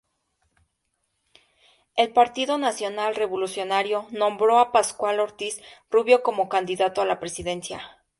El Partido Nacional Revolucionario nombró a Pascual Ortiz Rubio como candidato a la presidencia.